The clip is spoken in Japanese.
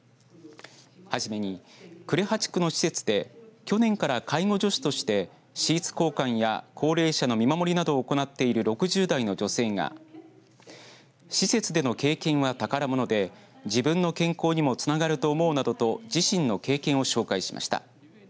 はじめに、呉羽地区の施設で去年から介護助手としてシーツ交換や高齢者の見守りなどを行っている６０代の女性が施設での経験は宝物で自分の健康にもつながると思うなどと自身の経験を紹介しました。